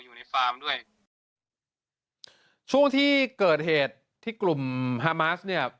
อยู่ในฟาร์มด้วยช่วงที่เกิดเหตุที่กลุ่มฮามาสเนี่ย